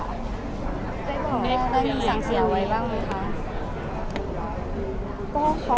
เบ๊กเค้ามีสังเกียจไว้บ้างไหมคะ